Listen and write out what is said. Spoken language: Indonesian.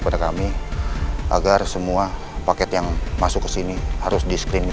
apalagi pak al sudah memberikan instruksi kepada kami